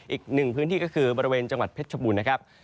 อีกหนึ่งพื้นที่ก็คือบริเวณจังหวัดเพชรชบูรณ์นะครับ